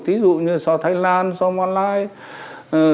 ví dụ như so với thái lan so với maldives